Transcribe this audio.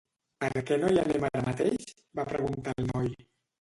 "Per què no hi anem ara mateix?" va preguntar el noi.